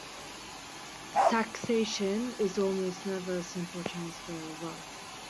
Taxation is almost never a simple transfer of wealth.